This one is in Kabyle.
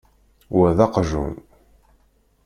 Wa d aqjun.